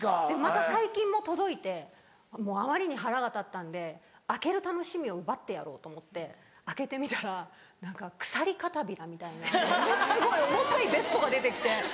でまた最近も届いてもうあまりに腹が立ったんで開ける楽しみを奪ってやろうと思って開けてみたら何か鎖かたびらみたいなものすごい重たいベストが出て来て。